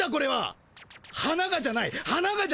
「花が」じゃないだろ。